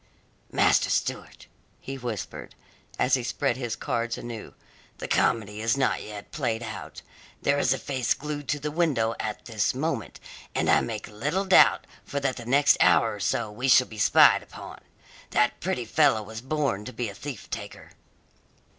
"Master Stewart," he whispered, as he spread his cards anew, "the comedy is not yet played out. There is a face glued to the window at this moment, and I make little doubt that for the next hour or so we shall be spied upon. That pretty fellow was born to be a thief taker."